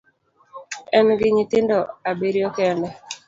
En gi nyithindo abiriyo kende